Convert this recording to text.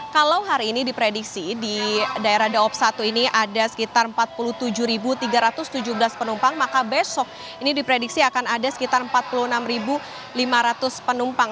kalau hari ini diprediksi di daerah daob satu ini ada sekitar empat puluh tujuh tiga ratus tujuh belas penumpang maka besok ini diprediksi akan ada sekitar empat puluh enam lima ratus penumpang